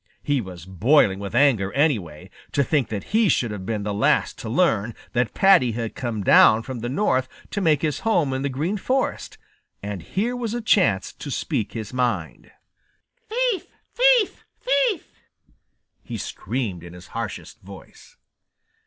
He was boiling with anger, anyway, to think that he should have been the last to learn that Paddy had come down from the North to make his home in the Green Forest, and here was a chance to speak his mind. "Thief! thief! thief!" he screamed in his harshest voice.